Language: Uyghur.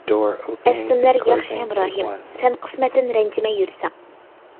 ئەسلىمىلەر ياخشى ھەمراھىم، سەن قىسمەتتىن رەنجىمەي يۈرسەڭ.